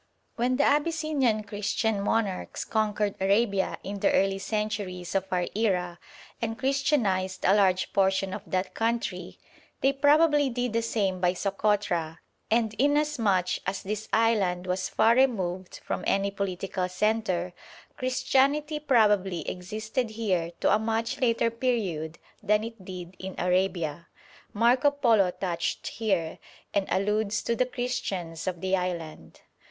] When the Abyssinian Christian monarchs conquered Arabia in the early centuries of our era, and Christianised a large portion of that country, they probably did the same by Sokotra, and, inasmuch as this island was far removed from any political centre, Christianity probably existed here to a much later period than it did in Arabia. Marco Polo touched here, and alludes to the Christians of the island.